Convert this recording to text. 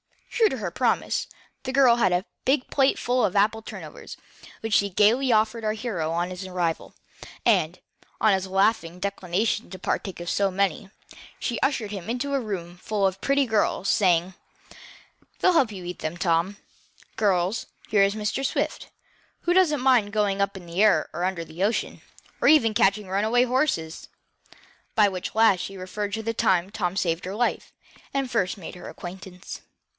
True to her promise, the girl had a big plate full of apple turnovers, which she gaily offered our hero on his arrival, and, on his laughing declination to partake of so many, she ushered him into a room full of pretty girls, saying: "They'll help you eat them, Tom. Girls, here is Mr. Swift, who doesn't mind going up in the air or under the ocean, or even catching runaway horses," by which last she referred to the time Tom saved her life, and first made her acquaintance.